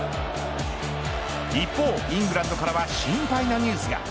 一方、イングランドからは心配なニュースが。